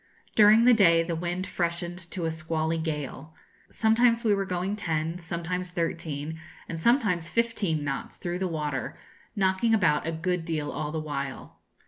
During the day the wind freshened to a squally gale. Sometimes we were going ten, sometimes thirteen, and sometimes fifteen knots through the water, knocking about a good deal all the while.